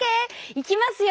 いきますよ。